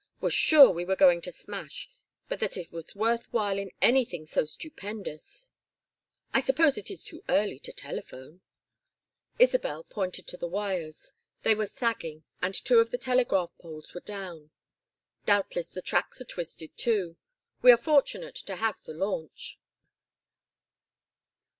Was sure we were going to smash, but that it was worth while in anything so stupendous. I suppose it is too early to telephone." Isabel pointed to the wires. They were sagging, and two of the telegraph poles were down. "Doubtless the tracks are twisted, too. We are fortunate to have the launch."